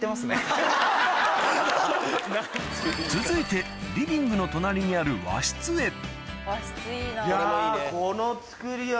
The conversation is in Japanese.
続いてリビングの隣にある僕ね